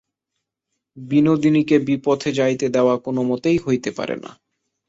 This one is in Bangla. বিনোদিনীকে বিপথে যাইতে দেওয়া কোনোমতেই হইতে পারে না।